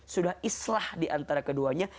sudah islah diantara keduanya